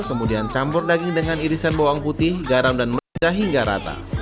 kemudian campur daging dengan irisan bawang putih garam dan mecah hingga rata